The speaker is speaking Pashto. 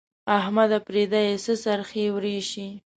احمده! پرېږده يې؛ څه څرخی ورېشې.